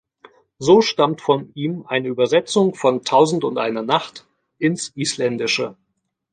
So stammt von ihm eine Übersetzung von "Tausendundeine Nacht" ins Isländische.